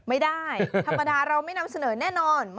ไม่ได้ธรรมดาเราไม่นำเสนอแน่นอนมันพิเศษยังไง